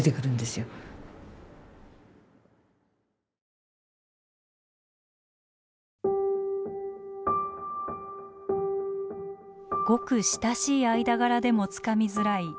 ごく親しい間柄でもつかみづらい自殺の兆候。